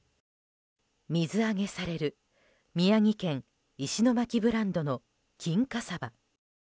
水揚げされる宮城県石巻ブランドの金華サバ。